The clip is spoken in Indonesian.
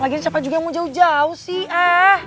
lagian siapa juga yang mau jauh jauh sih ah